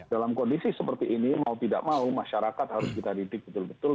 dalam kondisi seperti ini mau tidak mau masyarakat harus kita didik betul betul